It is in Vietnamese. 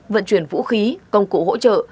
vận chuyển vũ khí công cụ hỗ trợ